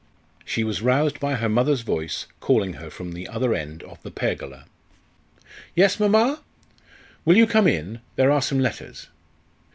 She was roused by her mother's voice calling her from the other end of the pergola. "Yes, mamma." "Will you come in? There are some letters."